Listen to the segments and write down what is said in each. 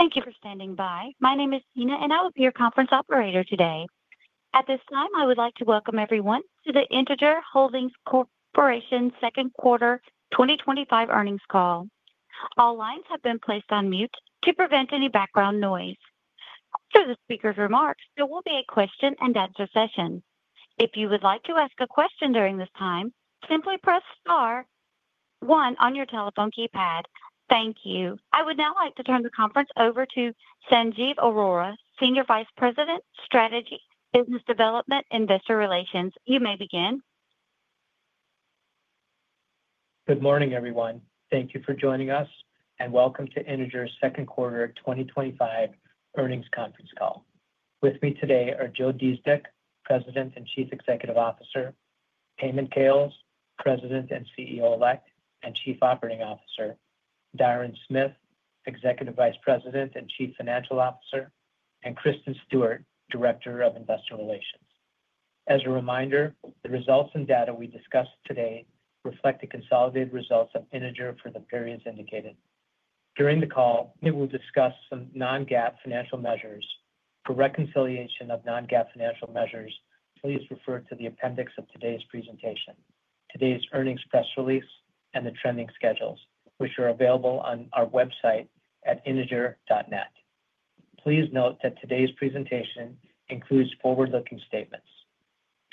Thank you for standing by. My name is Tina, and I will be your conference operator today. At this time, I would like to welcome everyone to the Integer Holdings Corporation Second Quarter twenty twenty five Earnings Call. All lines have been placed on mute to prevent any background noise. After the speakers' remarks, there will be a question and answer session. Thank you. I would now like to turn the conference over to Sanjeev Arora, Senior Vice President, Strategy, Business Development, Investor Relations. You may begin. Good morning, everyone. Thank you for joining us, and welcome to Integer's second quarter twenty twenty five earnings conference call. With me today are Joe Diesdick, President and Chief Executive Officer Peyman Kales, President and CEO Elect and Chief Operating Officer Darren Smith, Executive Vice President and Chief Financial Officer and Kristen Stewart, Director of Investor Relations. As a reminder, the results and data we discuss today reflect the consolidated results of Integer for the periods indicated. During the call, Nick will discuss some non GAAP financial measures. For reconciliation of non GAAP financial measures, please refer to the appendix of today's presentation, today's earnings press release and the trending schedules, which are available on our website at integer.net. Please note that today's presentation includes forward looking statements.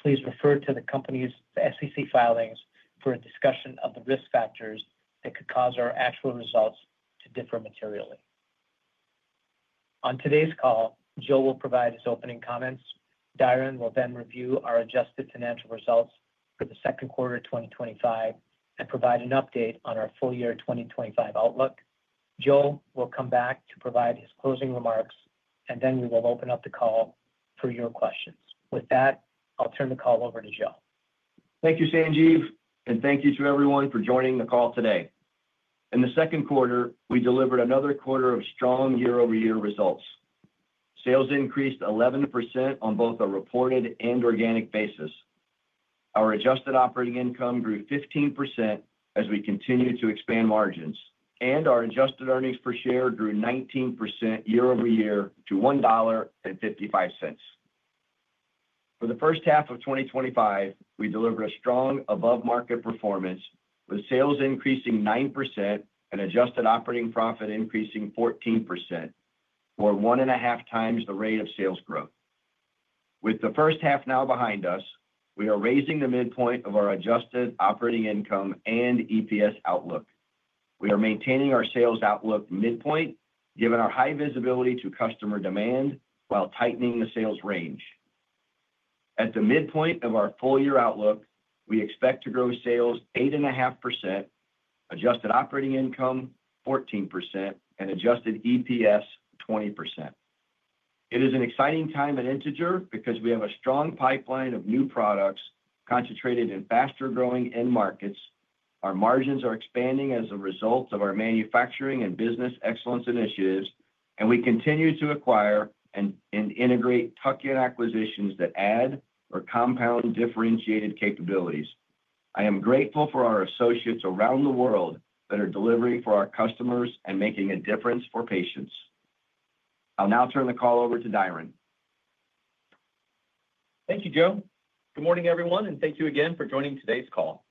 Please refer to the company's SEC filings for a discussion of the risk factors that could cause our actual results to differ materially. On today's call, Joe will provide his opening comments, Diren will then review our adjusted financial results for the second quarter twenty twenty five and provide an update on our full year 2025 outlook. Joe will come back to provide his closing remarks, and then we will open up the call for your questions. With that, I'll turn the call over to Joe. Thank you, Sanjeev, and thank you to everyone for joining the call today. In the second quarter, we delivered another quarter of strong year over year results. Sales increased 11% on both a reported and organic basis. Our adjusted operating income grew 15% as we continue to expand margins, and our adjusted earnings per share grew 19% year over year to $1.55 For the first half of twenty twenty five, we delivered a strong above market performance with sales increasing 9% and adjusted operating profit increasing 14 or 1.5 times the rate of sales growth. With the first half now behind us, we are raising the midpoint of our adjusted operating income and EPS outlook. We are maintaining our sales outlook midpoint given our high visibility to customer demand while tightening the sales range. At the midpoint of our full year outlook, we expect to grow sales 8.5%, adjusted operating income 14% and adjusted EPS 20%. It is an exciting time at Integer because we have a strong pipeline of new products concentrated in faster growing end markets. Our margins are expanding as a result of our manufacturing and business excellence initiatives and we continue to acquire and integrate tuck in acquisitions that add or compound differentiated capabilities. I am grateful for our associates around the world that are delivering for our customers and making a difference for patients. I'll now turn the call over to Diren. Thank you, Joe. Good morning, everyone, and thank you again for joining today's call.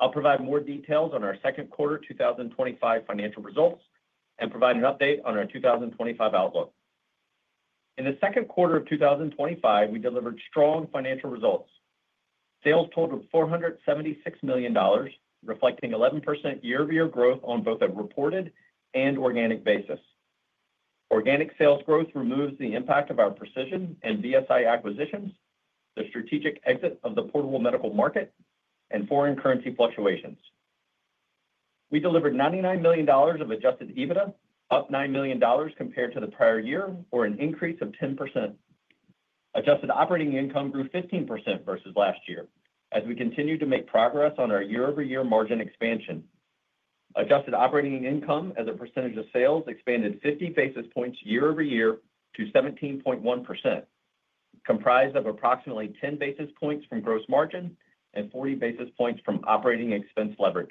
I'll provide more details on our second quarter twenty twenty five financial results and provide an update on our 2025 outlook. In the second quarter of twenty twenty five, we delivered strong financial results. Sales totaled $476,000,000 reflecting 11% year over year growth on both a reported and organic basis. Organic sales growth removes the impact of our Precision and BSI acquisitions, the strategic exit of the portable medical market and foreign currency fluctuations. We delivered $99,000,000 of adjusted EBITDA, up $9,000,000 compared to the prior year or an increase of 10%. Adjusted operating income grew 15% versus last year as we continue to make progress on our year over year margin expansion. Adjusted operating income as a percentage of sales expanded 50 basis points year over year to 17.1%, comprised of approximately 10 basis points from gross margin and 40 basis points from operating expense leverage.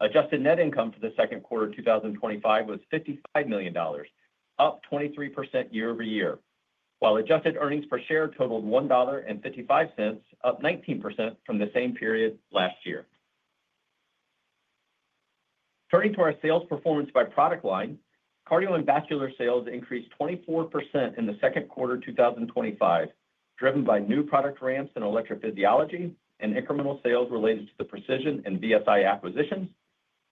Adjusted net income for the second quarter twenty twenty five was $55,000,000 up 23% year over year, while adjusted earnings per share totaled $1.55 up 19% from the same period last year. Turning to our sales performance by product line. Cardio and vascular sales increased 24% in the second quarter twenty twenty five, driven by new product ramps in electrophysiology and incremental sales related to the Precision and VSI acquisitions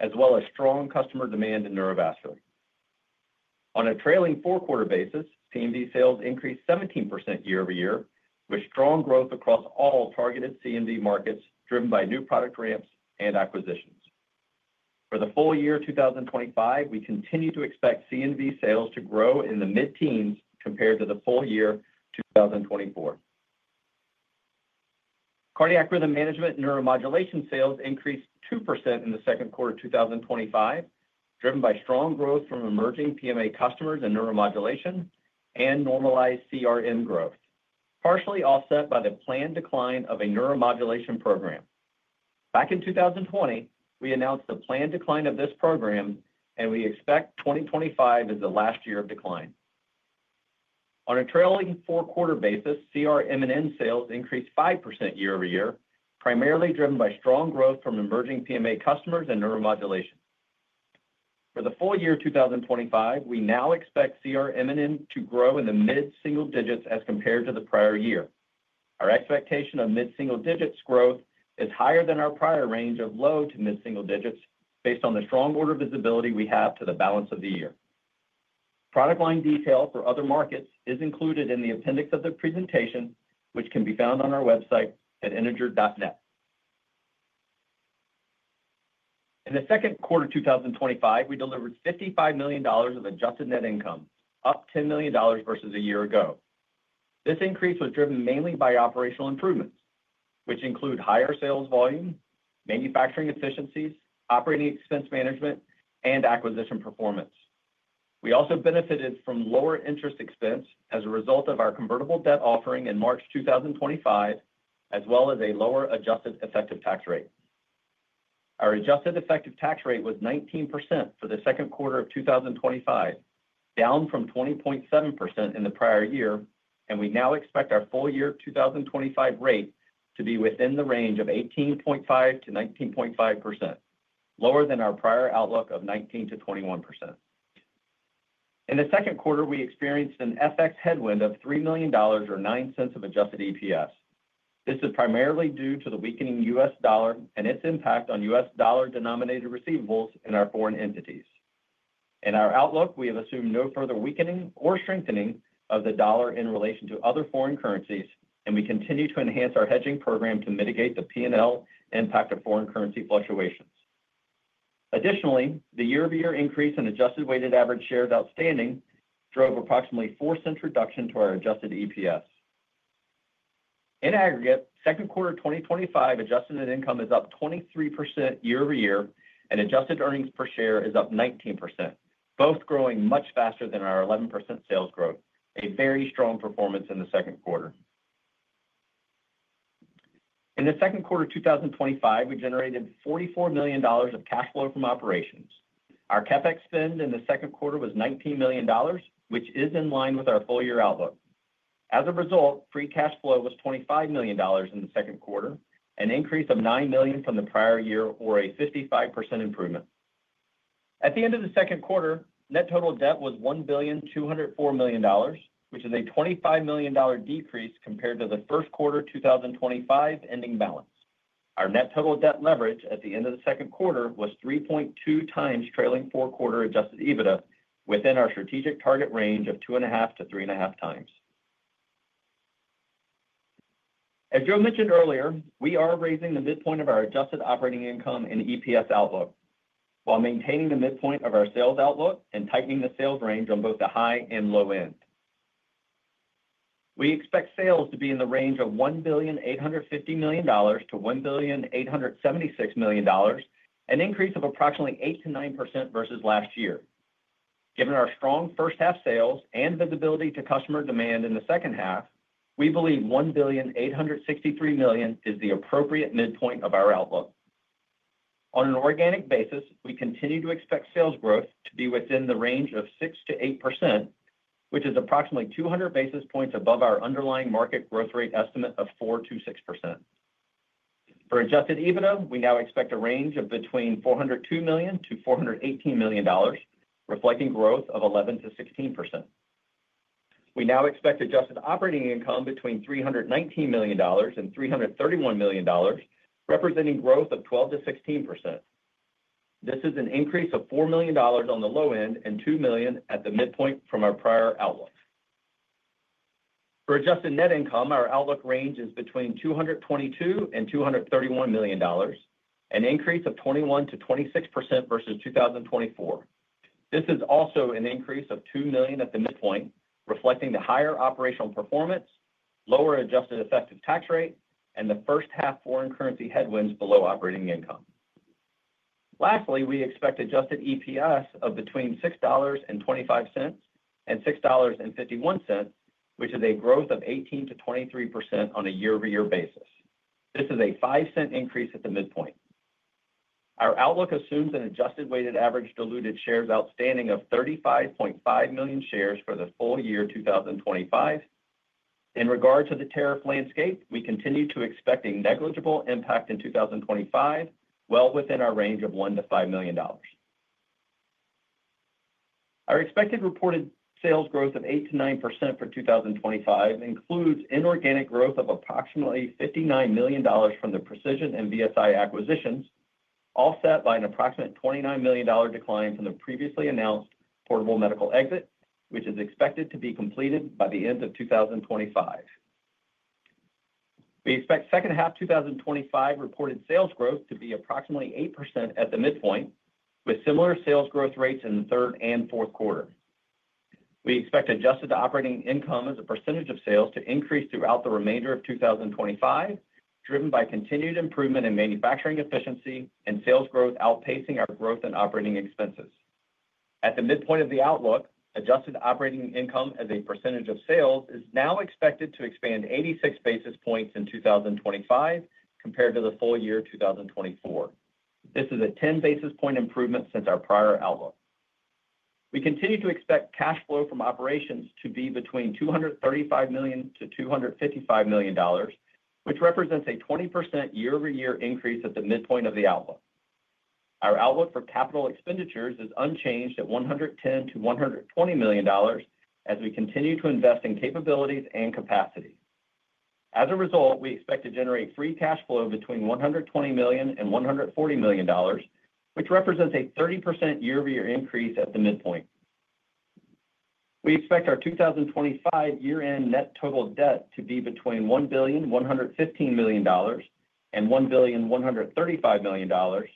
as well as strong customer demand in neurovascular. On a trailing four quarter basis, CMV sales increased 17% year over year with strong growth across all targeted CMV markets driven by new product ramps and acquisitions. For the full year '25, we continue to expect CNV sales to grow in the mid teens compared to the full year 2024. Cardiac Rhythm Management Neuromodulation sales increased 2% in the second quarter twenty twenty five, driven by strong growth from emerging PMA customers in Neuromodulation and normalized CRM growth, partially offset by the planned decline of a Neuromodulation program. Back in 2020, we announced the planned decline of this program and we expect 2025 is the last year of decline. On a trailing four quarter basis, CRM and N sales increased 5% year over year, primarily driven by strong growth from emerging PMA customers and Neuromodulation. For the full year 2025, we now expect CRM and N to grow in the mid single digits as compared to the prior year. Our expectation of mid single digits growth is higher than our prior range of low to mid single digits based on the strong order visibility we have to the balance of the year. Product line detail for other markets is included in the appendix of the presentation, which can be found on our website at integer.net. In the second quarter twenty twenty five, we delivered $55,000,000 of adjusted net income, up $10,000,000 versus a year ago. This increase was driven mainly by operational improvements, which include higher sales volume, manufacturing efficiencies, operating expense management and acquisition performance. We also benefited from lower interest expense as a result of our convertible debt offering in March 2025 as well as a lower adjusted effective tax rate. Our adjusted effective tax rate was 19% for the second quarter of twenty twenty five, down from 20.7 in the prior year, and we now expect our full year 2025 rate to be within the range of 18.5% to 19.5%, lower than our prior outlook of 19% to 21%. In the second quarter, we experienced an FX headwind of $3,000,000 or $09 of adjusted EPS. This is primarily due to the weakening U. S. Dollar and its impact on U. S. Dollar denominated receivables in our foreign entities. In our outlook, we have assumed no further weakening or strengthening of the dollar in relation to other foreign currencies and we continue to enhance our hedging program to mitigate the P and L impact of foreign currency fluctuations. Additionally, the year over year increase in adjusted weighted average shares outstanding drove approximately $04 reduction to our adjusted EPS. In aggregate, second quarter twenty twenty five adjusted net income is up 23% year over year and adjusted earnings per share is up 19%, both growing much faster than our 11% sales growth, a very strong performance in the second quarter. In the second quarter twenty twenty five, we generated $44,000,000 of cash flow from operations. Our CapEx spend in the second quarter was $19,000,000 which is in line with our full year outlook. As a result, free cash flow was $25,000,000 in the second quarter, an increase of 9,000,000 from the prior year or a 55% improvement. At the end of the second quarter, net total debt was $1,204,000,000 which is a $25,000,000 decrease compared to the first quarter twenty twenty five ending balance. Our net total debt leverage at the end of the second quarter was 3.2 times trailing four quarter adjusted EBITDA within our strategic target range of 2.5 times to 3.5 times. As Joe mentioned earlier, we are raising the midpoint of our adjusted operating income and EPS outlook, while maintaining the midpoint of our sales outlook and tightening the sales range on both the high and low end. We expect sales to be in the range of $1,850,000,000 to $1,876,000,000 an increase of approximately 8% to 9% versus last year. Given our strong first half sales and visibility to customer demand in the second half, we believe $1,863,000,000 is the appropriate midpoint of our outlook. On an organic basis, we continue to expect sales growth to be within the range of 6% to 8%, which is approximately 200 basis points above our underlying market growth rate estimate of 4% to 6%. For adjusted EBITDA, we now expect a range of between $4.00 $2,000,000 to $418,000,000 reflecting growth of 11% to 16%. We now expect adjusted operating income between $319,000,000 and $331,000,000 representing growth of 12% to 16%. This is an increase of $4,000,000 on the low end and $2,000,000 at the midpoint from our prior outlook. For adjusted net income, our outlook range is between $222,000,000 and $231,000,000 an increase of 21% to 26% versus 2024. This is also an increase of $2,000,000 at the midpoint, reflecting the higher operational performance, lower adjusted effective tax rate and the first half foreign currency headwinds below operating income. Lastly, we expect adjusted EPS of between $6.25 and $6.51 which is a growth of 18% to 23% on a year over year basis. This is a $05 increase at the midpoint. Our outlook assumes an adjusted weighted average diluted shares outstanding of 35,500,000.0 shares for the full year 2025. In regard to the tariff landscape, we continue to expect a negligible impact in 2025, well within our range of $1,000,000 includes inorganic growth of approximately $59,000,000 from the Precision and BSI acquisitions, offset by an approximate $29,000,000 decline from the previously announced Portable Medical exit, which is expected to be completed by the end of twenty twenty five. We expect second half twenty twenty five reported sales growth to be approximately 8% at the midpoint with similar sales growth rates in the third and fourth quarter. We expect adjusted operating income percentage of sales to increase throughout the remainder of 2025, driven by continued improvement in manufacturing efficiency and sales growth outpacing our growth in operating expenses. At the midpoint of the outlook, adjusted operating income as a percentage of sales is now expected to expand 86 basis points in 2025 compared to the full year 2024. This is a 10 basis point improvement since our prior outlook. We continue to expect cash flow from operations to be between $235,000,000 to $255,000,000 which represents a 20% year over year increase at the midpoint of the outlook. Our outlook for capital expenditures is unchanged at 110,000,000 to $120,000,000 as we continue to invest in capabilities and capacity. As a result, we expect to generate free cash flow between $120,000,000 and $140,000,000 which represents a 30% year over year increase at the midpoint. We expect our twenty twenty five year end net total debt to be between $1,115,000,000 dollars and $1,135,000,000 dollars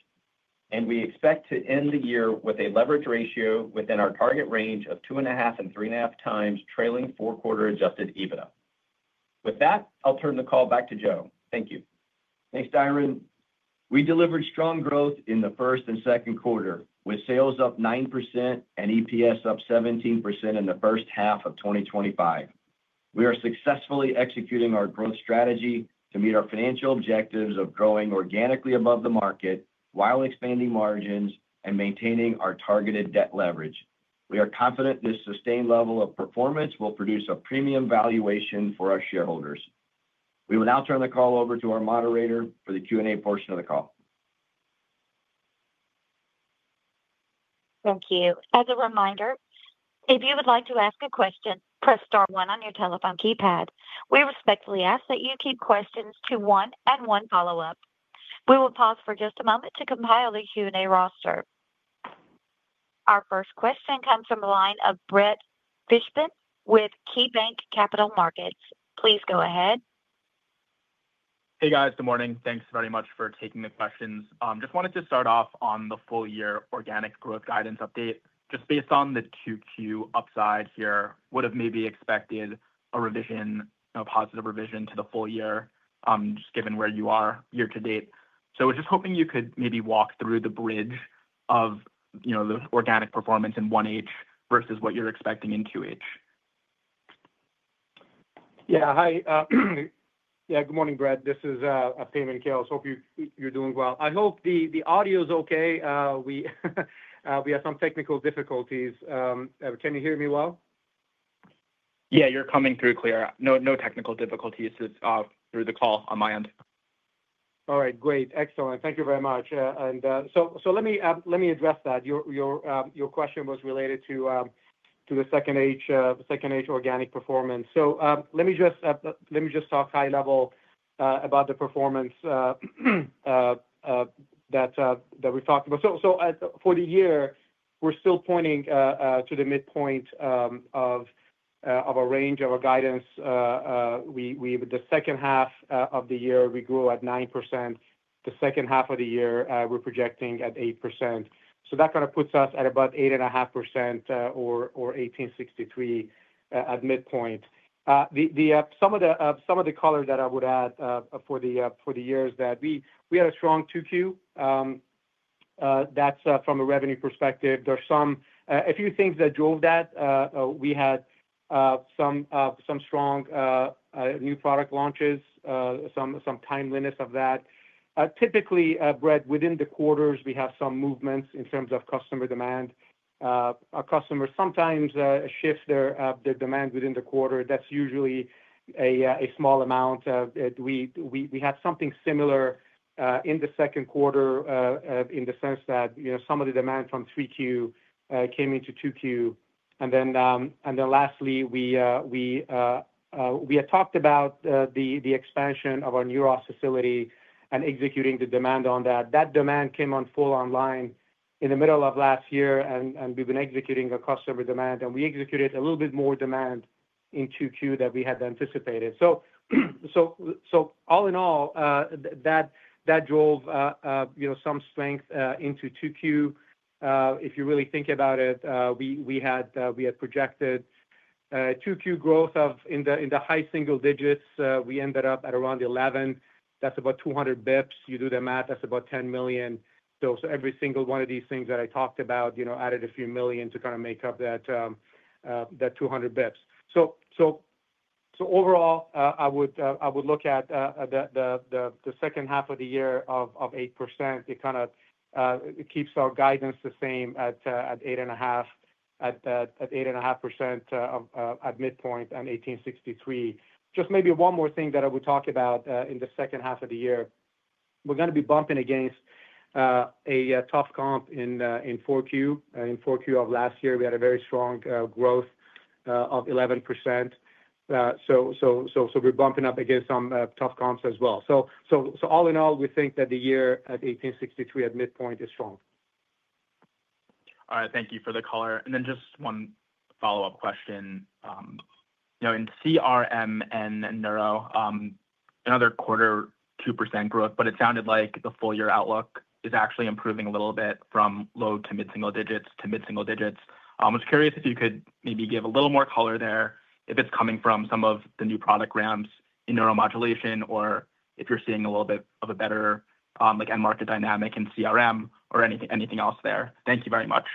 and we expect to end the year with a leverage ratio within our target range of 2.5 times and 3.5 times trailing four quarter adjusted EBITDA. With that, I'll turn the call back to Joe. Thank you. Thanks, Diren. We delivered strong growth in the first and second quarter with sales up nine percent and EPS up 17% in the first half of twenty twenty five. We are successfully executing our growth strategy to meet our financial objectives of growing organically above the market while expanding margins and maintaining our targeted debt leverage. We are confident this sustained level of performance will produce a premium valuation for our shareholders. We will now turn the call over to our moderator for the Q and A portion of the call. Thank you. Our first question comes from the line of Brett Fishman with KeyBanc Capital Markets. Please go ahead. Hey guys, good morning. Thanks very much for taking the questions. Just wanted to start off on the full year organic growth guidance update. Just based on the 2Q upside here, would have maybe expected a revision, a positive revision to the full year, just given where you are year to date. So I was just hoping you could maybe walk through the bridge of the organic performance in 1H versus what you're expecting in 2H. Yeah. Hi. Yeah. Good morning, Brad. This is, Ativan Kael. So hope you you're doing well. I hope the the audio is okay. We, we have some technical difficulties. Can you hear me well? Yeah. You're coming through clear. No no technical difficulties through the call on my end. Alright. Great. Excellent. Thank you very much. And so so let me let me address that. Your your your question was related to to the second H organic performance. So let me just talk high level about the performance that we talked about. So for the year, we're still pointing to the midpoint of a range of our guidance. The second half of the year, we grew at 9%. The second half of the year, we're projecting at 8%. So that kind of puts us at about 8.5% or 18.63% at midpoint. The some of the color that I would add for the year is that we had a strong 2Q. That's from a revenue perspective. There are some a few things that drove that. We had some strong new product launches, some timeliness of that. Typically, Brett, within the quarters we have some movements in terms of customer demand. Our customers sometimes shift their demand within the quarter. That's usually a small amount. We have something similar in the second quarter in the sense that some of the demand from 3Q came into 2Q. And then lastly, we had talked about the expansion of our New Ross facility and executing the demand on that. That demand came on full online in the middle of last year and we've been executing our customer demand and we executed a little bit more demand in 2Q than we had anticipated. So all in all, that drove some strength into 2Q. If you really think about it, we had projected 2Q growth of in the high single digits, we ended up at around 11. That's about 200 bps. You do the math, that's about 10,000,000. So so every single one of these things that I talked about, you know, added a few million to kind of make up that, that 200 bps. So so so overall, I would, I would look at the the the the second half of the year of 8%. It kind of keeps our guidance the same at 8.5% at midpoint and 18.63%. Just maybe one more thing that I would talk about in the second half of the year. We're going to be bumping against a tough comp in 4Q. In 4Q of last year, we had a very strong growth of 11%. So we're bumping up against some tough comps as well. So all in all, think that the year at 18.63% at midpoint is strong. All right. Thank you for the color. And then just one follow-up question. In CRM and neuro, another quarter 2% growth, but it sounded like the full year outlook is actually improving a little bit from low to mid single digits to mid single digits. I was curious if you could maybe give a little more color there, if it's coming from some of the new product ramps in neuromodulation or if you're seeing a little bit of a better, like end market dynamic in CRM or anything else there? Thank you very much.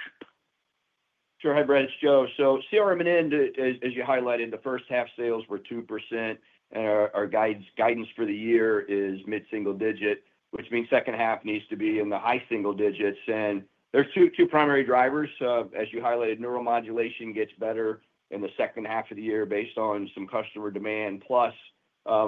Sure. Hi Brad, it's Joe. So CRM and end as you highlighted in the first half sales were 2% and our guidance for the year is mid single digit which means second half needs to be in the high single digits. And there's two primary drivers as you highlighted neuromodulation gets better in the second half of the year based on some customer demand plus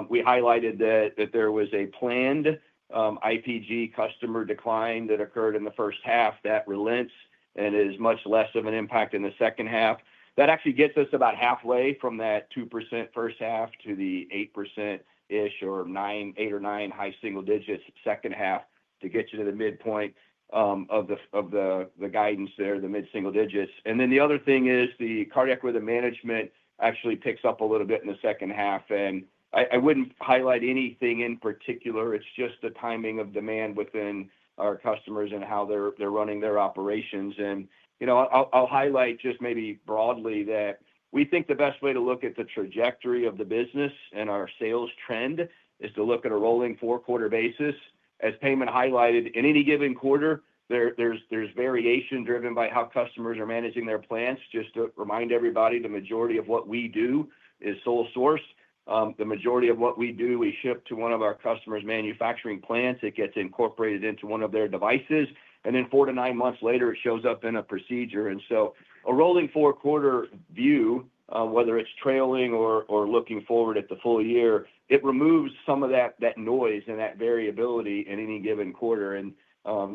we highlighted that there was a planned IPG customer decline that occurred in the first half that relents and is much less of an impact in the second half. That actually gets us about halfway from that 2% first half to the 8% ish or 9%, 8% or 9% high single digits second half to get you to the midpoint of the guidance there, the mid single digits. And then the other thing is the cardiac with the management actually picks up a little bit in the second half. And I wouldn't highlight anything in particular. It's just the timing of demand within our customers and how they're running their operations. And I'll highlight just maybe broadly that we think the best way to look at the trajectory of the business and our sales trend is to look at a rolling four quarter basis. As Peyman highlighted, in any given quarter, there's variation driven by how customers are managing their plants. Just to remind everybody, the majority of what we do is sole source. The majority of what we do, we ship to one of our customers' manufacturing plants. It gets incorporated into one of their devices. And then four to nine months later, shows up in a procedure. And so a rolling four quarter view, whether it's trailing or looking forward at the full year, it removes some of that noise and that variability in any given quarter. And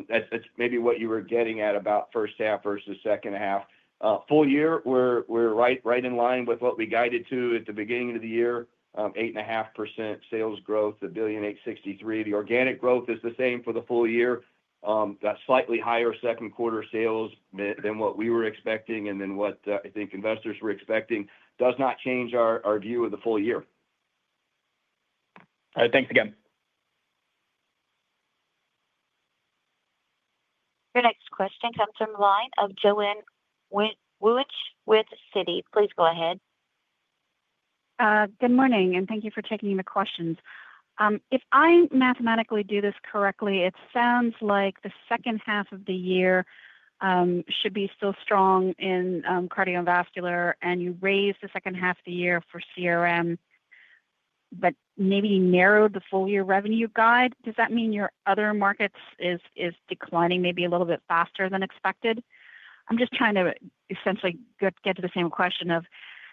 that's maybe what you were getting at about first half versus second half. Full year, we're right in line with what we guided to at the beginning of the year, 8.5% sales growth, 1,863,000,000.000. The organic growth is the same for the full year. That slightly higher second quarter sales than what we were expecting and then what I think investors were expecting does not change our view of the full year. All right. Thanks again. Your next question comes from the line of Joanne Wuitsch with Citi. Please go ahead. Good morning and thank you for taking the questions. If I mathematically do this correctly, it sounds like the second half of the year should be still strong in cardiovascular and you raised the second half of the year for CRM, but maybe narrowed the full year revenue guide. Does that mean your other market is declining maybe a little bit faster than expected? I'm just trying to essentially get to the same question of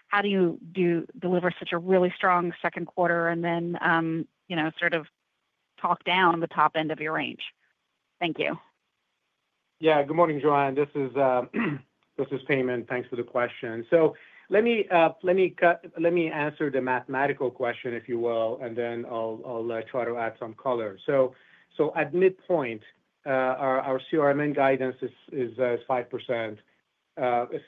how do you deliver such a really strong second quarter and then sort of talk down the top end of your range? Thank you. Yes. Good morning, Joanne. This is Peyman. Thanks for the question. So let answer the mathematical question, if you will, and then I'll try to add some color. So at midpoint, our CRMN guidance is 5%.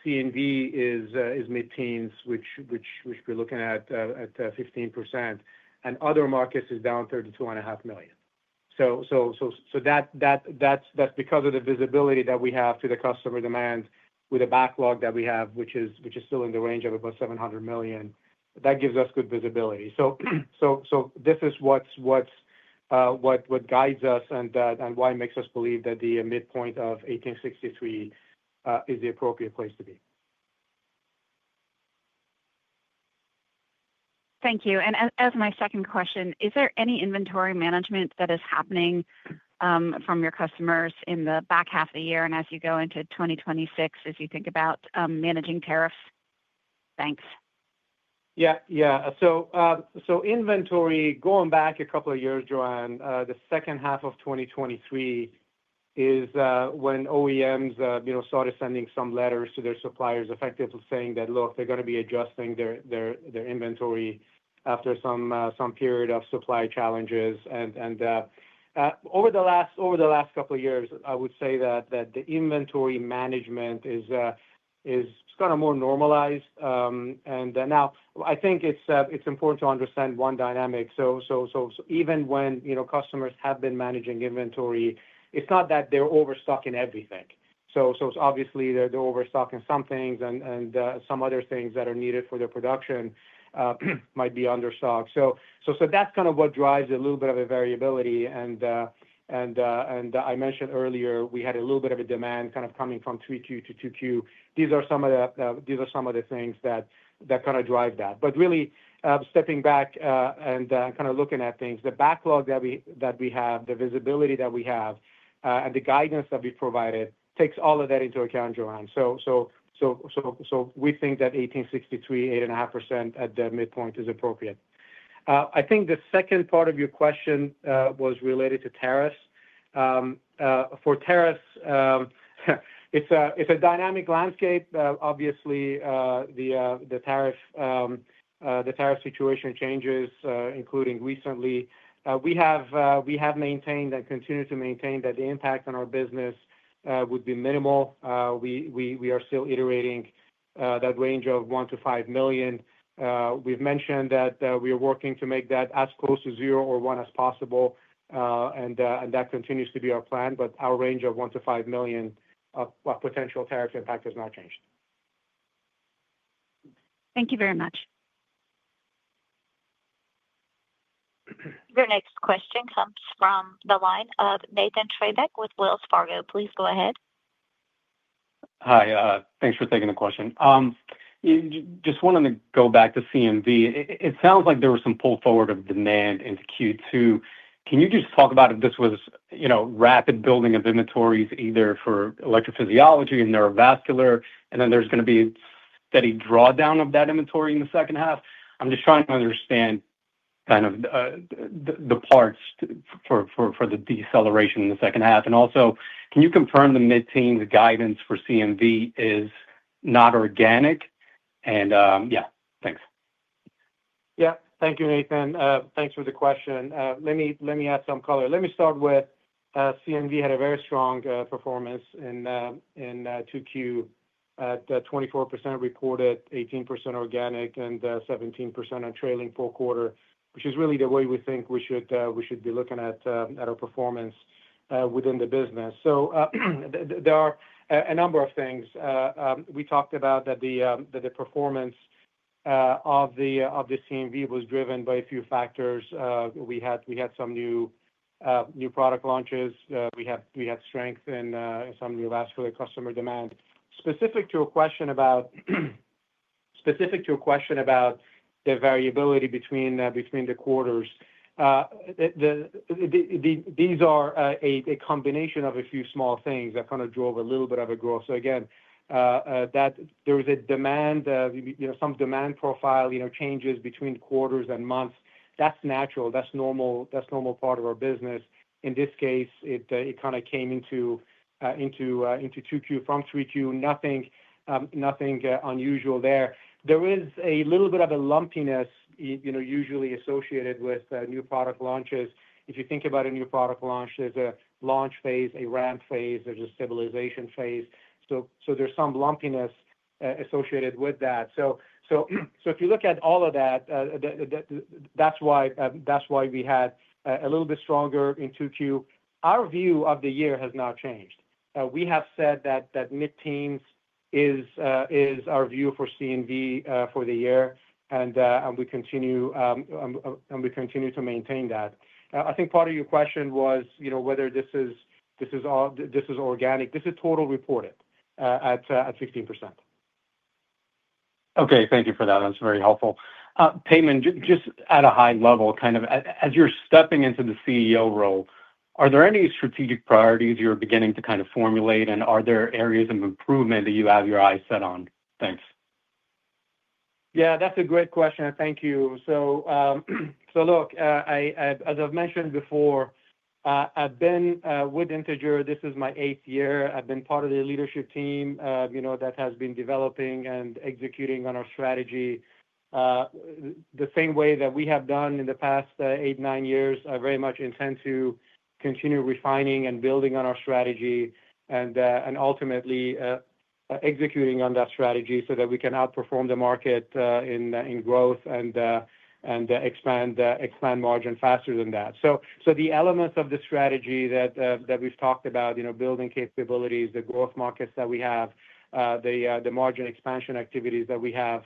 C and V is mid teens, which we're looking at 15%. And other markets is down 32,500,000 So that's because of the visibility that we have to the customer demand with the backlog that we have, which is still in the range of about $700,000,000 that gives us good visibility. So this is guides us and why it makes us believe that the midpoint of 1863 is the appropriate place to be. Thank you. And as my second question, is there any inventory management that is happening, from your customers in the back half of the year and as you go into 2026 as you think about managing tariffs? Thanks. Yes. Yes. So inventory, going back a couple of years, Joanne, the 2023 is, when OEMs, you know, started sending some letters to their suppliers effectively saying that, look, they're going to be adjusting their their their inventory after some, some period of supply challenges. And and over the last couple of years, I would say that the inventory management is kind of more normalized. And now I think it's important to understand one dynamic. So even when customers have been managing inventory, it's not that they're overstocking everything. So obviously, they're overstocking some things and some other things that are needed for their production might be understocked. So that's kind of what drives a little bit of a variability. And I mentioned earlier, we had a little bit of a demand kind of coming from 3Q to 2Q. These are some of the things that kind of drive that. But really stepping back and kind of looking at things, the backlog that we have, the visibility that we have and the guidance that we provided takes all of that into account, Jo Anne. So we think that 18.63%, 8.5% at the midpoint is appropriate. I think the second part of your question was related to tariffs. For tariffs, it's a dynamic landscape. Obviously, tariff situation changes including recently. We have maintained and continue to maintain that the impact on our business would be minimal. We are still iterating that range of 1,000,000 to $5,000,000 We've mentioned that we are working to make that as close to zero or one as possible and that continues to be our plan, but our range of 1,000,000 to $5,000,000 of potential tariff impact has not changed. Thank you very much. Your next question comes from the line of Nathan Traybeck with Wells Fargo. Please go ahead. Hi. Thanks for taking the question. Just wanted to go back to CMV. It sounds like there was some pull forward of demand into Q2. Can you just talk about if this was rapid building of inventories either for electrophysiology and neurovascular and then there's going to be steady drawdown of that inventory in the second half? I'm just trying to understand kind of the parts for the deceleration in the second half. And also, can you confirm the mid teens guidance for CMV is not organic? And yes. Thanks. Yes. Thank you, Nathan. Thanks for the question. Let me add some color. Let me start with CNV had a very strong performance in 2Q at 24% reported, 18% organic and 17% on trailing full quarter, which is really the way we think we should be looking at our performance within the business. So there are a number of things. We talked about that the performance of the CMV was driven by a few factors. We had some new product launches. We had strength in some new vascular customer demand. Specific to your about the variability between the quarters, These are a combination of a few small things that kind of drove a little bit of a growth. So again, that there is a demand some demand profile changes between quarters and months. That's natural. That's normal part of our business. In this case, it kind of came into 2Q from 3Q, nothing unusual there. There is a little bit of a lumpiness usually associated with new product launches. If you think about a new product launch, there's a launch phase, a ramp phase, there's a stabilization phase. So there's some lumpiness associated with that. So so if you look at all of that, that that that's why that's why we had a little bit stronger in 2Q. Our view of the year has not changed. We have said that that mid teens is our view for C and V for the year, and we continue to maintain that. I think part of your question was whether this organic. This is total reported at 16%. Okay. Thank you for that. That's very helpful. Peyman, just at a high level, kind of as you're stepping into the CEO role, are there any strategic priorities you're beginning to kind of formulate? And are there areas of improvement that you have your eyes set on? Thanks. Yeah. That's a great question. Thank you. So look, I as I've mentioned before, I've been with Integer. This is my eighth year. I've been part of their leadership team, you know, that has been developing and executing on our strategy. The same way that we have done in the past eight, nine years, I very much intend to continue refining and building on our strategy and ultimately executing on that strategy so that we can outperform the market in growth and expand margin faster than that. So the elements of the strategy that we've talked about building capabilities, the growth markets that we have, margin expansion activities that we have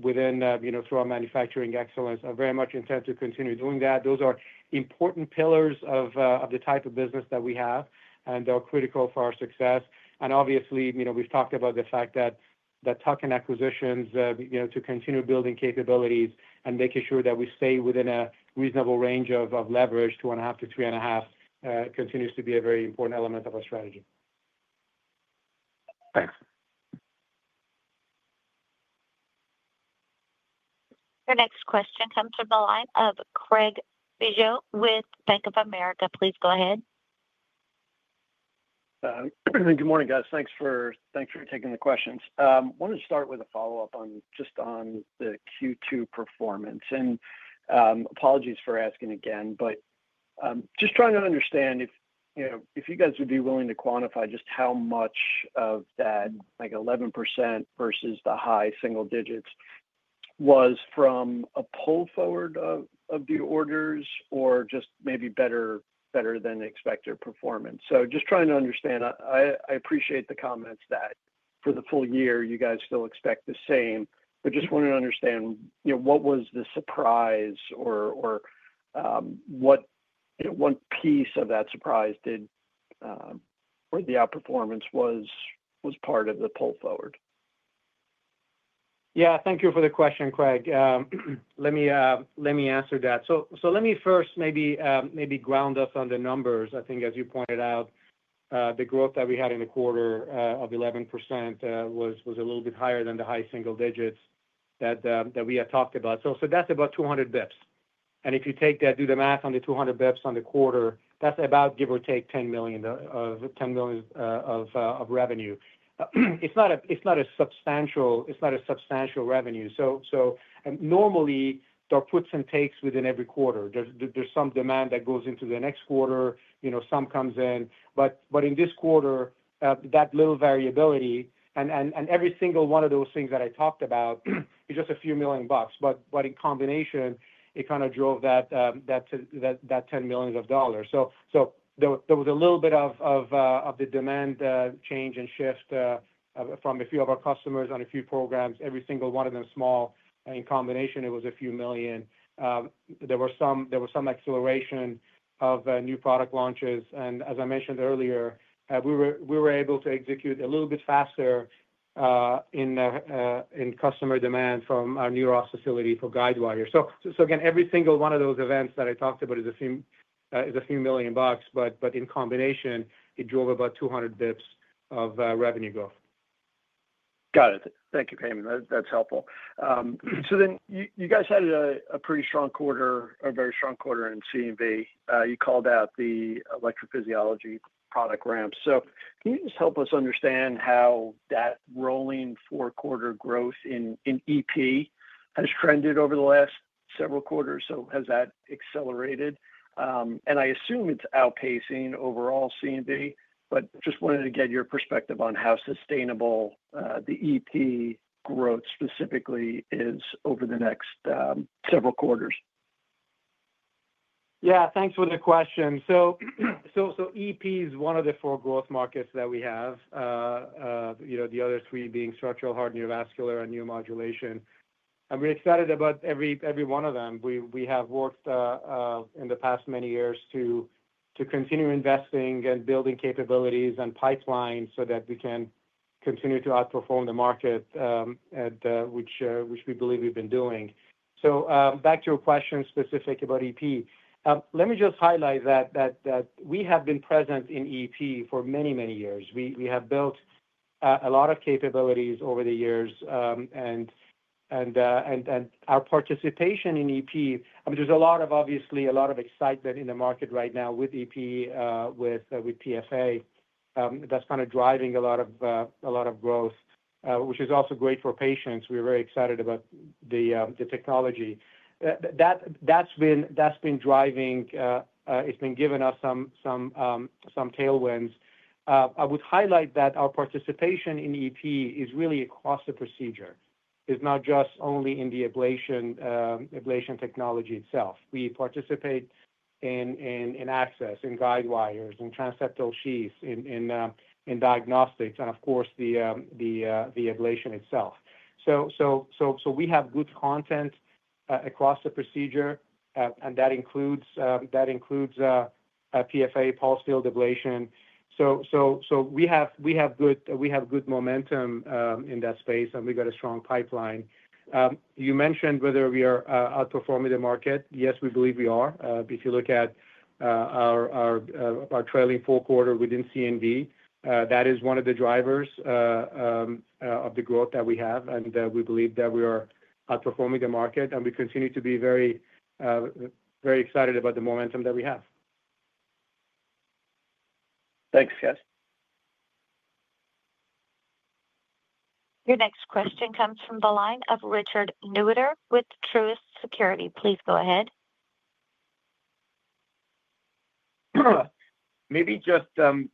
within through our manufacturing excellence are very much intend to continue doing that. Those are important pillars of the type of business that we have and they are critical for our success. And obviously, we've talked about the fact that tuck in acquisitions to continue building capabilities and making sure that we stay within a reasonable range of leverage, 2.5% to 3.5% continues to be a very important element of our strategy. Thanks. Your next question comes from the line of Craig Bijou with Bank of America. Please go ahead. Good morning, guys. Thanks for taking the questions. I wanted to start with a follow-up on just on the Q2 performance. And apologies for asking again, but just trying to understand if, you know, if you guys would be willing to quantify just how much of that, like, 11% versus the high single digits was from a pull forward of the orders or just maybe better better than expected performance? So just trying to understand. I appreciate the comments that for the full year, guys still expect the same. But just wanted to understand, what was the surprise or what one piece of that surprise did or the outperformance was part of the pull forward? Yeah. Thank you for the question, Craig. Let me answer that. So let me first maybe ground us on the numbers. I think as you pointed out, the growth that we had in the quarter of 11% was a little bit higher than the high single digits that we had talked about. So that's about 200 bps. And if you take that do the math on the 200 bps on the quarter, that's about give or take $10,000,000 of revenue. It's not a substantial revenue. So normally, there are puts and takes within every quarter. There's some demand that goes into the next quarter, some comes in. In this quarter, that little variability and every single one of those things that I talked about just a few million bucks. But but in combination, it kinda drove that that that that 10 millions of dollars. So so there there was a little bit of of of the demand change and shift from a few of our customers on a few programs. Every single one of them small. In combination, it was a few million. There some acceleration of new product launches. And as I mentioned earlier, we were able to execute a little bit faster in customer demand from our New Ross facility for Guidewire. So again, every single one of those events that I talked about is a few million bucks, but in combination, it drove about 200 bps of revenue growth. Got it. Thank you, Peyman. That's helpful. So then you guys had a pretty strong quarter, a very strong quarter in C and V. You called out the electrophysiology product ramp. So you just help us understand how that rolling four quarter growth in EP has trended over the last several quarters? So has that accelerated? And I assume it's outpacing overall C and D, but just wanted to get your perspective on how sustainable the EP growth specifically is over the next several quarters? Yes. Thanks for the question. EP is one of the four growth markets that we have, you know, the other three being structural heart, neurovascular and neuromodulation. And we're excited about every one of them. We have worked, in the past many years to continue investing and building capabilities and pipeline so that we can continue to outperform the market, which we believe we've been doing. So back to your question specific about EP. Let me just highlight that we have been present in EP for many, many years. We have built a lot of capabilities over the years and our participation in EP, I mean, there's a lot of obviously a lot of excitement in the market right now with EP, with PSA that's kind of driving a lot of growth, which is also great for patients. We're very excited about the technology. That's been driving it's been giving us some tailwinds. I would highlight that our participation in EP is really across the procedure. It's not just only in the ablation technology itself. We participate in access, in guide wires, in transseptal sheaths, in diagnostics and of course the ablation itself. So we have good content across the procedure and that includes PFA, pulse field ablation. So we have good momentum in that space and we've got a strong pipeline. You mentioned whether we are outperforming the market. Yes, we believe we are. If you look at trailing four quarter within C and D that is one of the drivers of the growth that we have and we believe that we are outperforming the market and we continue to be very excited about the momentum that we have. Thanks guys. Your next question comes from the line of Richard Newitter with Truist Securities. Please go ahead. Maybe just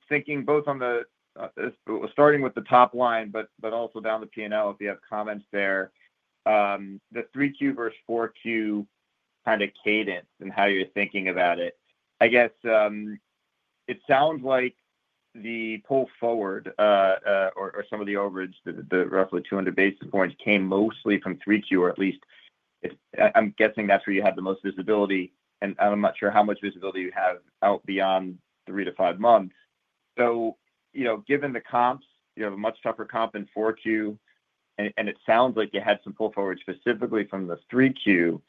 thinking both on the starting with the top line, but also down the P and L, if you have comments there, the 3Q versus 4Q kind of cadence and how you're thinking about it. I guess it sounds like the pull forward or some of the overage, roughly 200 basis points came mostly from 3Q or at least I'm guessing that's where you have the most visibility and I'm not sure how much visibility you have out beyond three to five months. So given the comps, you have a much tougher comp in 4Q and it sounds like you had some pull forward specifically from the 3Q.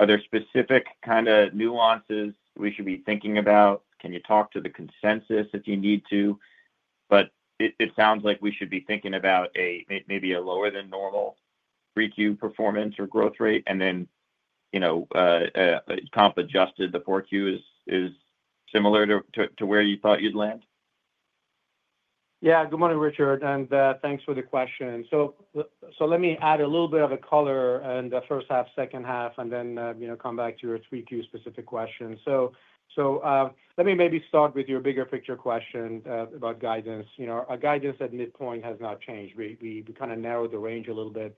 Are there specific kind of nuances we should be thinking about? Can you talk to the consensus if you need to? But it sounds like we should be thinking about maybe a lower than normal 3Q performance or growth rate and then comp adjusted the 4Q is similar to where you thought you'd land? Yes. Good morning, Richard, and thanks for the question. So let me add a little bit of a color in the first half, second half and then come back to your 3Q specific question. So let me maybe start with your bigger picture question about guidance. Our guidance at midpoint has not changed. We kind of narrowed the range a little bit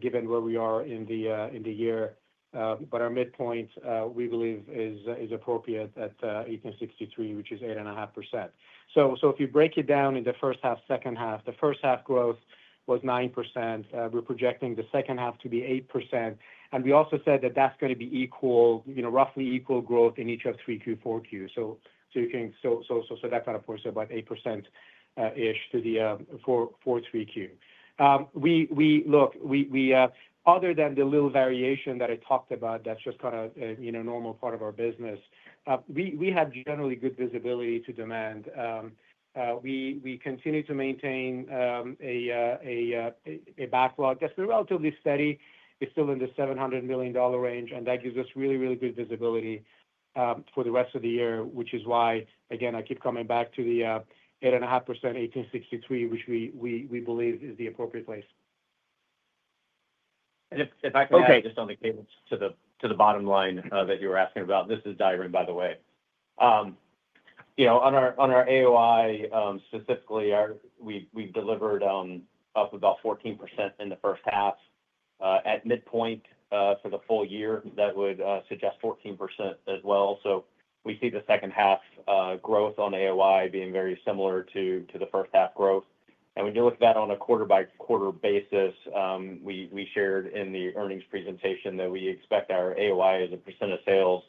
given where we are in the year. But our midpoint we believe is appropriate at 18.63%, which is 8.5%. So if you break it down in the first half, second half, the first half growth was 9%. We're projecting the second half to be 8%. And we also said that that's going to be equal roughly equal growth in each of 3Q, 4Q. So you can so that kind of points about 8% -ish to the for 3Q. We look, we other than the little variation that I talked about that's just kind of normal part of our business. We have generally good visibility to demand. We continue to maintain a backlog that's been relatively steady. Still in the $700,000,000 range and that gives us really, really good visibility for the rest of the year, which is why again I keep coming back to the 8.51863%, which we believe is the appropriate place. And if I can add just on the cadence to the bottom line that you were asking about. This is Daiverin, by the way. On our AOI, specifically, we've delivered up about 14% in the first half. At midpoint for the full year. That would suggest 14% as well. So we see the second half growth on AOI being very similar to the first half growth. And when you look at that on a quarter by quarter basis, we shared in the earnings presentation that we expect our AOI as a percent of sales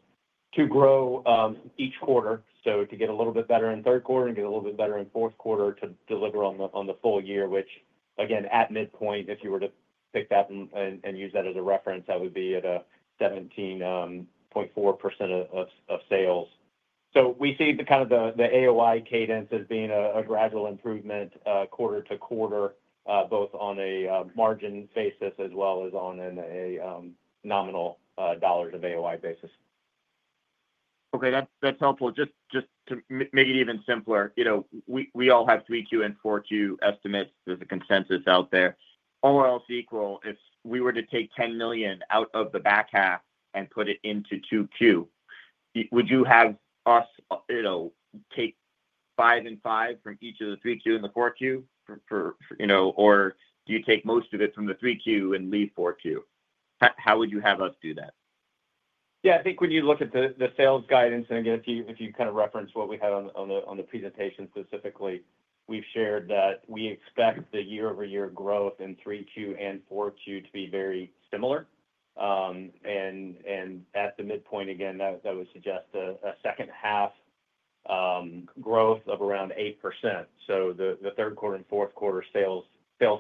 to grow each quarter. So to get a little bit better in third quarter and get a little bit better in fourth quarter to deliver on the full year, which again at midpoint if you were to pick that and use that as a reference that would be at 17.4% of sales. So we see the kind of the AOI cadence as being a gradual improvement quarter to quarter both on a margin basis as well as on a nominal dollars of AOI basis. Okay. That's helpful. Just to make it even simpler, we all have 3Q and 4Q estimates. There's a consensus out there. All else equal, if we were to take $10,000,000 out of the back half and put it into 2Q, would you have us, you know, take five and five from each of the 3Q and the 4Q for for you know? Or do you take most of it from the 3Q and leave 4Q? How would you have us do that? Yes. Think when you look at the sales guidance, and again, if you kind of reference what we had on the presentation specifically, we've shared that we expect the year over year growth in 3Q and 4Q to be very similar. And at the midpoint, again, would suggest a second half growth of around 8%. So the third quarter and fourth quarter sales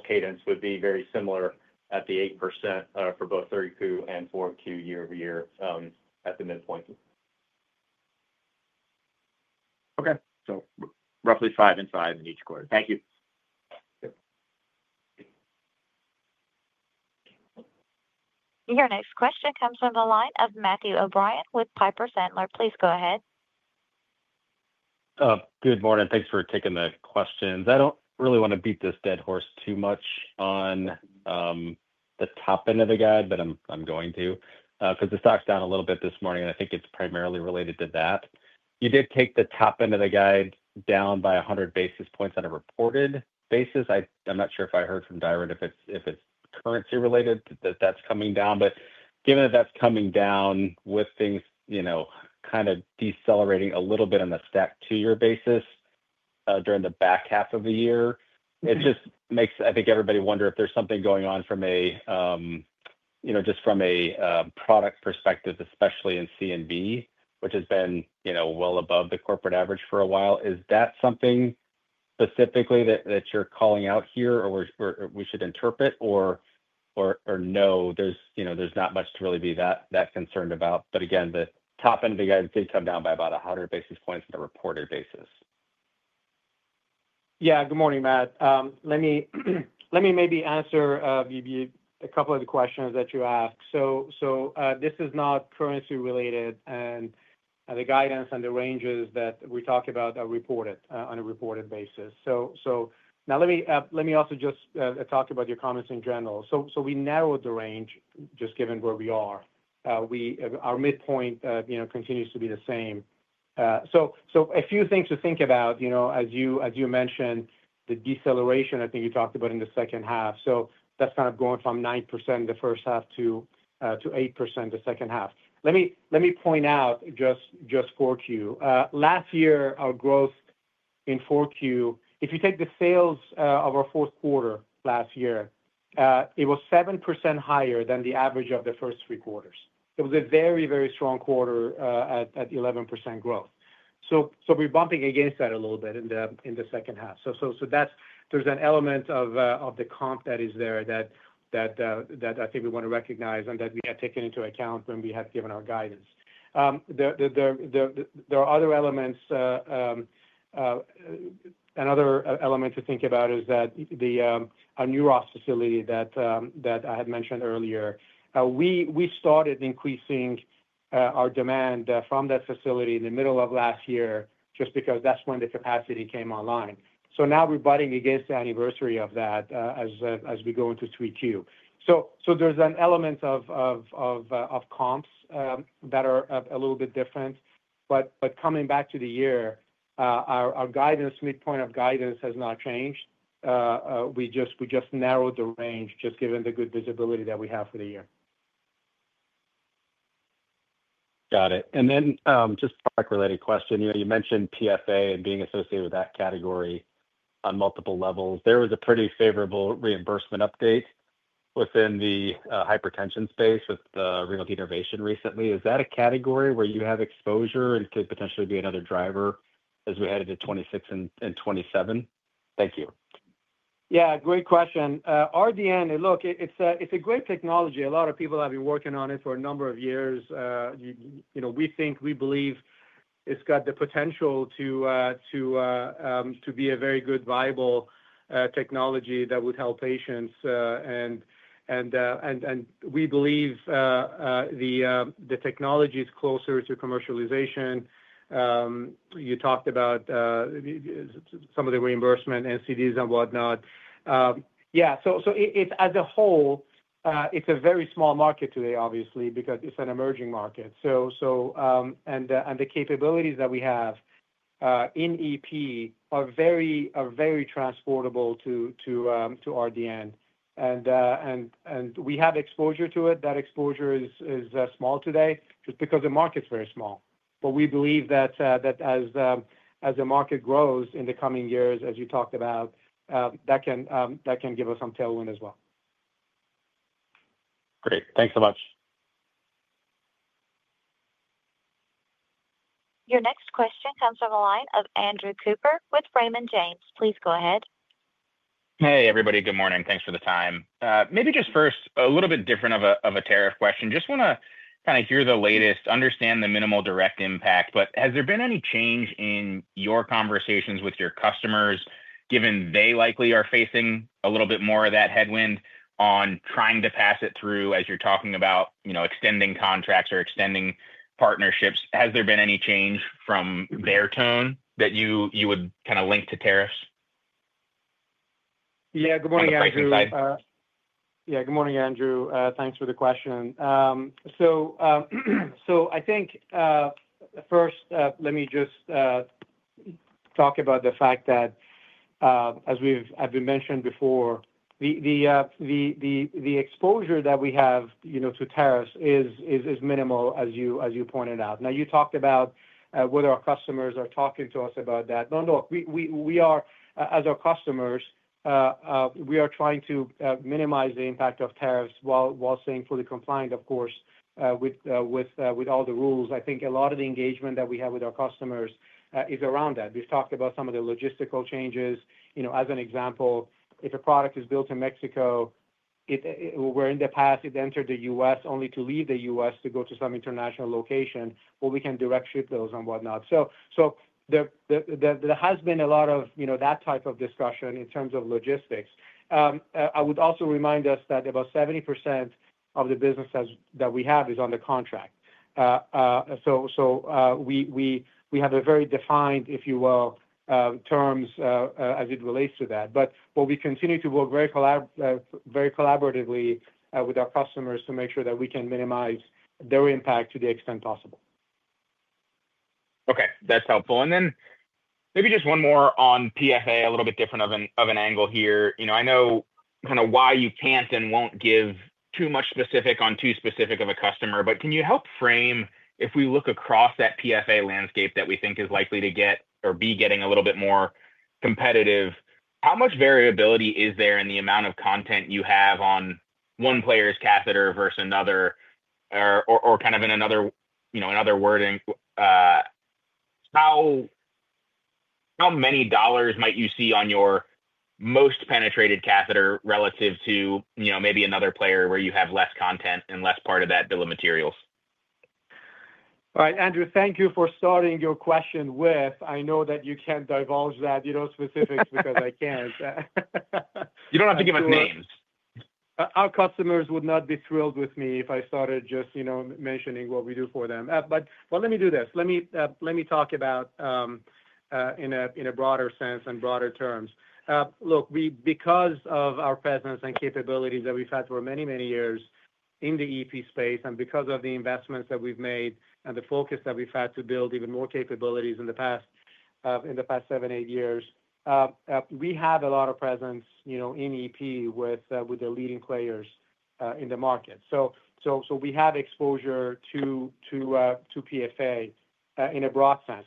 cadence would be very similar at the 8% for both 3Q and 4Q year over year at the midpoint. Okay. So roughly five and five in each quarter. Thank you. Your next question comes from the line of Matthew O'Brien with Piper Sandler. Please go ahead. Good morning. Thanks for taking the questions. I don't really want to beat this dead horse too much on the top end of the guide, I'm going to, because the stock's down a little bit this morning, I think it's primarily related to that. You did take the top end of the guide down by 100 basis points on a reported basis. I'm not sure if I heard from Dyeran if currency related, that that's coming down. But given that that's coming down with things kind of decelerating a little bit on the stack two year basis during the back half of the year, it just makes, I think, everybody wonder if there's something going on from a just from a product perspective, especially in C and B, which has been well above the corporate average for a while, is that something specifically that you're calling out here or we should interpret? Or no, there's not much to really be that concerned about. But again, the top end of the guidance did come down by about 100 basis points on a reported basis. Yeah. Good morning, Matt. Let me maybe answer a couple of the questions that you asked. So this is not currency related and the guidance and the ranges that we talked about are reported on a reported basis. So now let me also just talk about your comments in general. So we narrowed the range just given where we are. We our midpoint continues to be the same. So a few things to think about. As you mentioned, the deceleration, I think you talked about in the second half. So that's kind of going from 9% in the first half to 8% in second half. Let me point out just 4Q. Last year, our growth in 4Q, if you take the sales of our fourth quarter last year, it was 7% higher than the average of the first three quarters. It was a very, very strong quarter at 11% growth. So we're bumping against that a little bit in the second half. So that's there's an element of the comp that is there that I think we want to recognize and that we have taken into account when we have given our guidance. There are other elements another element to think about is that the our new Ross facility that I had mentioned earlier, we started increasing our demand from that facility in the middle of last year just because that's when the capacity came online. So now we're butting against the anniversary of that as we go into 3Q. So there's an element of comps that are a little bit different. Coming back to the year, guidance midpoint of guidance has not changed. We just narrowed the range just given the good visibility that we have for the year. Got it. And then just related question. You mentioned PFA and being associated with that category on multiple levels. There was a pretty favorable reimbursement update within the hypertension space with renal recently. Is that a category where you have exposure and could potentially be another driver as we headed to '26 and '27? Thank you. Yeah. Great question. RDN, look, it's a great technology. A lot of people have been working on it for a number We think we believe it's got the potential to be a very good viable technology that would help patients. And we believe the technology is closer to commercialization. You talked about some of the reimbursement and CDs and whatnot. Yes. So as a whole, it's a very small market today, obviously, because it's an emerging market. So so and and the capabilities that we have in EP are very are very transportable to to to RDN. And we have exposure to it. That exposure is small today just because the market is very small. But we believe that as the market grows in the coming years, as you talked about, that can give us some tailwind as well. Great. Thanks so much. Your next question comes from the line of Andrew Cooper with Raymond James. Please go ahead. Hey, everybody. Good morning. Thanks for the time. Maybe just first a little bit different of a tariff question. Just want to kind of hear the latest, understand the minimal direct impact, but has there been any change in your conversations with your customers given they likely are facing a little bit more of that headwind on trying to pass it through as you're talking about extending contracts or extending partnerships? Has there been any change from their tone that you would kind of link to tariffs? Good morning, Thanks for the question. So I think first, let me just talk about the fact that as we've as we mentioned before, the the the exposure that we have, you know, to tariffs is is is minimal as you as you pointed out. Now you talked about whether our customers are talking to us about that. No. No. We we we are as our customers, we are trying to minimize the impact of tariffs while while staying fully compliant, of course, with with with all the rules. I think a lot of the engagement that we have with our customers is around that. We've talked about some of the logistical changes. As an example, if a product is built in Mexico, it where in the past, it entered The US only to leave The US to go to some international location where we can direct ship those and whatnot. So so there there has been a lot of, you know, that type of discussion in terms of logistics. I would also remind us that about 70% of the business that we have is on the contract. So we have a very defined, if you will, terms as it relates to that. But we continue to work very collaboratively with our customers to make sure that we can minimize their impact to the extent possible. Okay. That's helpful. And then maybe just one more on PSA, a little bit different of an angle here. You know, I know kind of why you can't and won't give too much specific on too specific of a customer. But can you help frame if we look across that PFA landscape that we think is likely to get or be getting a little bit more competitive, how much variability is there in the amount of content you have on one player's catheter versus another or or or kind of in another, you know, another wording? How how many dollars might you see on your most penetrated catheter relative to maybe another player where you have less content and less part of that bill of materials? All right. Andrew, thank you for starting your question with, I know that you can't divulge that, you know, specifics because I can't. You don't have to give us Our customers would not be thrilled with me if I started just, you know, mentioning what we do for them. But but let me do this. Let me let me talk about in a broader sense and broader terms. Look, we because of our presence and capabilities that we've had for many, many years in the EP space and because of the investments that we've made and the focus that we've had to build even more capabilities in the past in the past seven, eight years, we have a lot of presence, you know, in EP with with the leading players in the market. So so so we have exposure to to to PSA in a broad sense.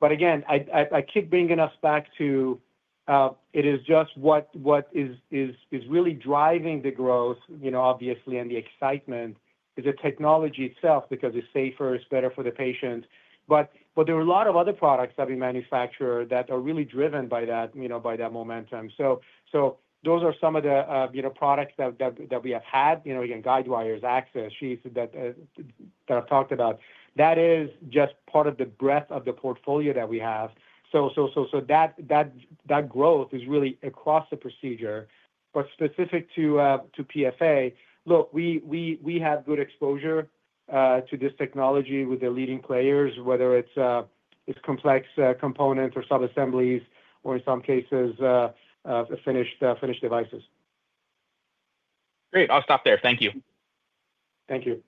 But again, I I I keep bringing us back to, it is just what what is is is really driving the growth, you know, obviously, and the excitement is the technology itself because it's safer, it's better for the patient. But but there are a lot of other products that we manufacture that are really driven by that, you know, by that momentum. So so those are some of the, you know, products that that that we have had, you know, again, Guidewire's access sheets that that I've talked about. That is just part of the breadth of the portfolio that we have. So so so so that that that growth is really across the procedure. But specific to to PSA, look, we we we have good exposure to this technology with the leading players, whether it's complex components or subassemblies or in some cases, the finished devices. Great. I'll stop there. Thank you. Thank you.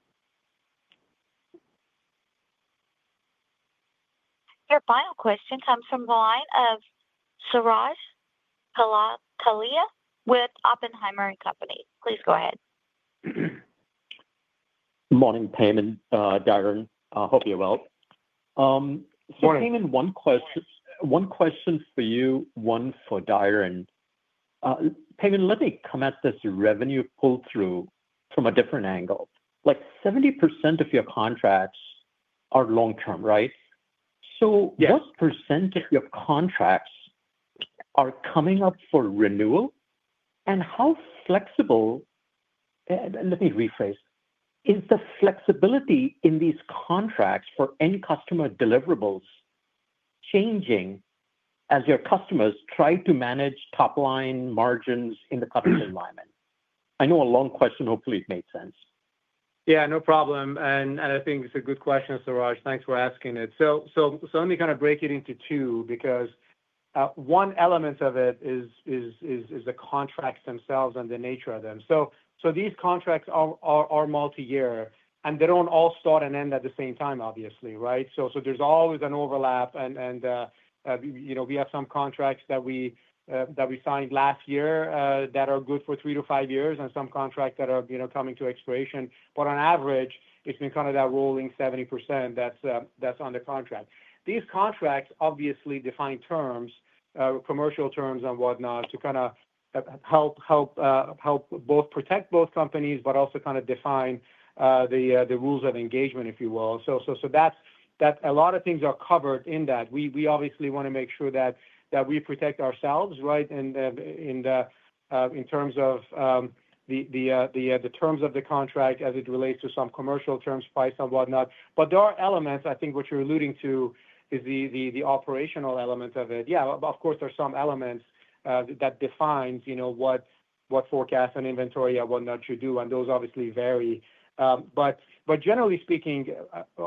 Your final question comes from the line of Suraj Kalia with Oppenheimer and Company. Please go ahead. Good morning, Peyman, Diren. Hope you're well. So, Peyman, one question one question for you, one for Diren. Peyman, let me come at this revenue pull through from a different angle. Like, 70% of your contracts are long term. Right? So what percent of your contracts are coming up for renewal? And how flexible and let me rephrase. Is the flexibility in these contracts for end customer deliverables changing as your customers try to manage top line margins in the customer environment? I know a long question. Hopefully, it made sense. Yeah. No problem. And and I think it's a good question, Suraj. Thanks for asking it. So so so let me kinda break it into two because, one element of it is is is is the contracts themselves and the nature of them. So so these contracts are are are multiyear, and they don't all start and end at the same time, obviously. Right? So there's always an overlap. And we have some contracts that we signed last year that are good for three to five years and some contracts that are coming to expiration. But on average, it's been kind of that rolling 70% that's that's on the contract. These contracts obviously define terms, commercial terms and whatnot to kinda help help help both protect both companies, but also kind of define the the rules of engagement, if you will. So so so that's that's a lot of things are covered in that. We we obviously wanna make sure that that we protect ourselves, right, in in the in terms of the terms of the contract as it relates to some commercial terms, price and whatnot. But there are elements, I think, you're alluding to is the operational element of it. Yes. Of course, there are some elements that defines what forecast and inventory and whatnot should do, and those obviously vary. But generally speaking,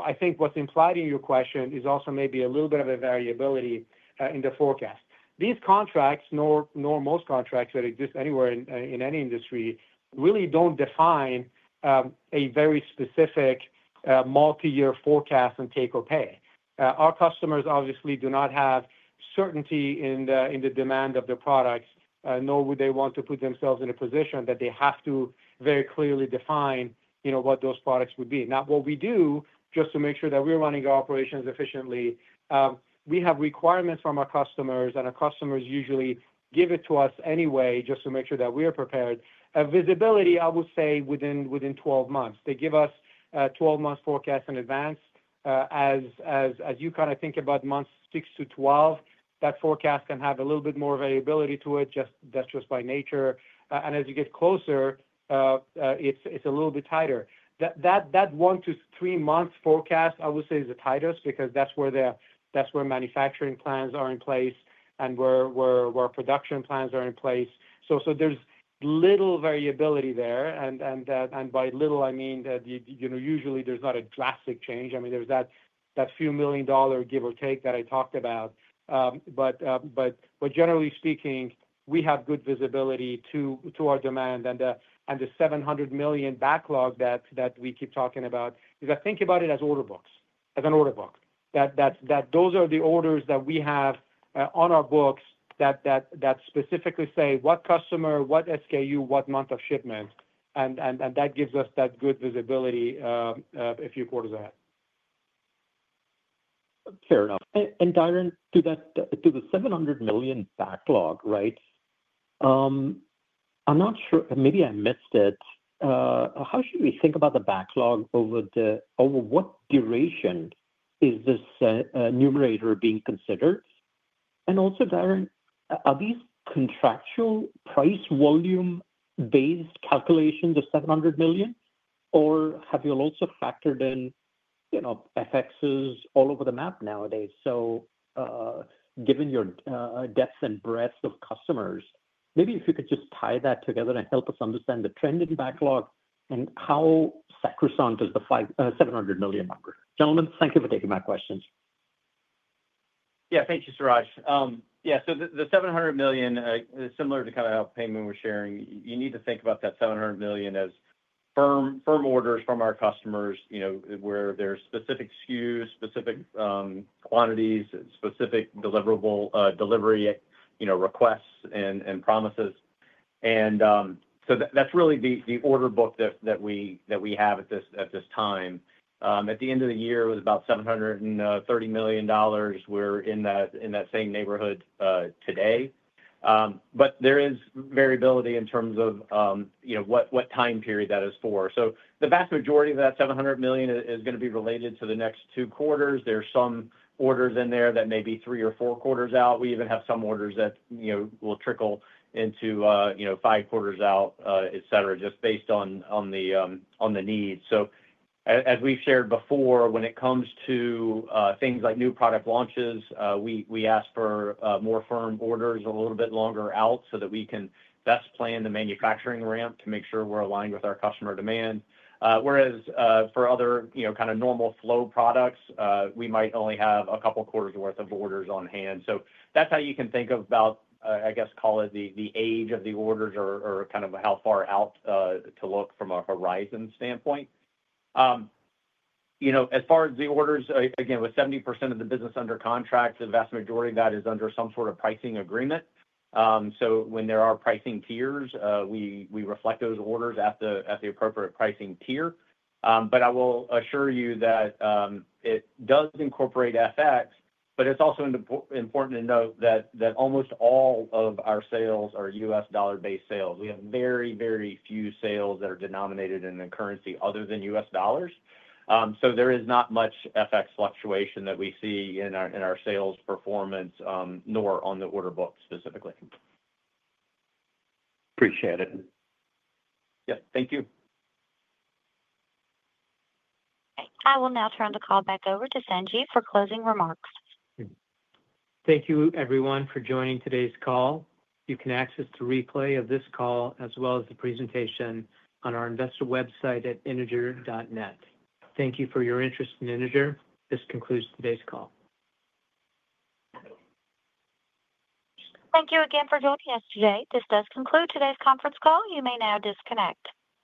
I think what's implied in your question is also maybe a little bit of a variability in the forecast. These contracts, nor most contracts that exist anywhere in any industry, really don't define a very specific multiyear forecast on take or pay. Our customers obviously do not have certainty in the demand of their products nor would they want to put themselves in a position that they have to very clearly define what those products would be. Now what we do, just to make sure that we're running our operations efficiently, we have requirements from our customers, and our customers usually give it to us anyway just to make sure that we are prepared. Visibility, I would say, within twelve months. They give us twelve months forecast in advance. As you kind of think about months six to twelve, that forecast can have a little bit more variability to it, that's just by nature. And as you get closer, it's a little bit tighter. That one to three month forecast, I would say, is the tightest because that's where manufacturing plans are in place and where production plans are in place. So there's little variability there. And by little, mean, usually, there's not a drastic change. I mean, there's that few million dollar give or take that I talked about. But generally speaking, we have good visibility to our demand and the $700,000,000 backlog that we keep talking about. Because I think about it as order books, as an order book. That those are the orders that we have on our books that that that specifically say what customer, what SKU, what month of shipment, and and and that gives us that good visibility, a few quarters ahead. Fair enough. And, Darren, to that to the $700,000,000 backlog, I'm not sure maybe I missed it. How should we think about the backlog over the over what duration is this numerator being considered? And also, Darren, are these contractual price volume based calculation, the $700,000,000 Or have you also factored FXs all over the map nowadays? So given your depth and breadth of customers, maybe if you could just tie that together and help us understand the trend in backlog and how sacrosanct is the $700,000,000 number? Gentlemen, thank you for taking my questions. Yes. Thank you, Suraj. Yes. So the $700,000,000 is similar to kind of how payment we're sharing. You need to think about that $700,000,000 as firm orders from our customers where there are specific SKUs, specific quantities, specific deliverable delivery requests and promises. And so that's really the order book that we have at this time. At the end of the year, was about $730,000,000 We're in that same neighborhood today. But there is variability in terms of what time period that is for. So the vast majority of that $700,000,000 is going to be related to the next two quarters. There are some orders in there that may be three or four quarters out. We even have some orders that will trickle into five quarters out, etcetera, just based on the need. So as we've shared before, when it comes to things like new product launches, we ask for more firm orders a little bit longer out so that we can best plan the manufacturing ramp to make sure we're aligned with our customer demand. Whereas for other kind of normal flow products, we might only have a couple of quarters worth of orders on hand. So that's how you can think about, I guess, call it the age of the orders or kind of how far out to look from a horizon standpoint. As far as the orders, again, with 70% of the business under contract, the vast majority of that is under some sort of pricing agreement. So when there are pricing tiers, we reflect those orders at the appropriate pricing tier. But I will assure you that it does incorporate FX, but it's also important to note that almost all of our sales are U. S. Dollar based sales. We have very, very few sales that are denominated in the currency other than U. S. Dollars. So there is not much FX fluctuation that we see in our sales performance nor on the order book specifically. Appreciate it. Yes. Thank you. I will now turn the call back over to Sanjeev for closing remarks. Thank you everyone for joining today's call. You can access the replay of this call as well as the presentation on our investor website at integer.net. Thank you for your interest in Integer. This concludes today's call. Thank you again for joining us today. This does conclude today's conference call. You may now disconnect.